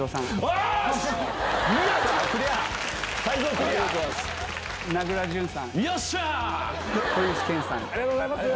ありがとうございます。